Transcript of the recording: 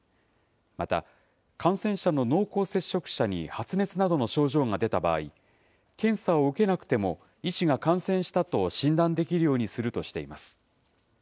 また、感染者の濃厚接触者に発熱などの症状が出た場合、検査を受けなくても医師が感染したと診断できるようにするとしています。